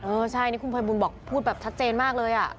เออใช่นี่คุณภัยบุญบอกพูดแบบชัดเจนมากเลย